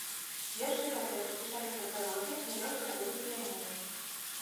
Вершы гэтыя прысвячаліся прыродзе, нялёгкай долі селяніна.